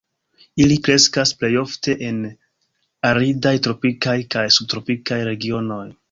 Ili kreskas plej ofte en aridaj tropikaj kaj subtropikaj regionoj.